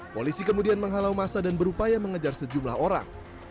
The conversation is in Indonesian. polisi kemudian menghalau masa dan berupaya mengejar sejumlah orang